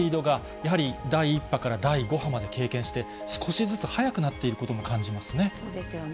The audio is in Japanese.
やはり第１波から第５波まで経験して、少しずつ早くなっていることも感じますね。